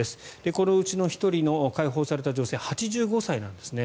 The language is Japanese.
このうちの１人の解放された女性８５歳なんですね。